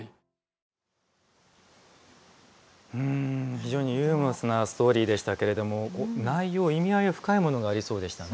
非常にユーモラスなストーリーでしたけれども内容、意味合いは深いものがありそうでしたね。